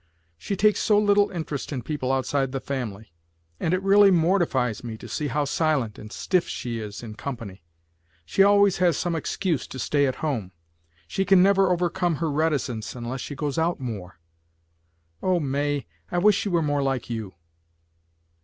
She takes so little interest in people outside the family, and it really mortifies me to see how silent and stiff she is in company. She always has some excuse to stay at home. She can never overcome her reticence unless she goes out more. Oh, May, I wish she were more like you!"